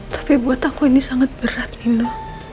tapi buat aku ini sangat berat minum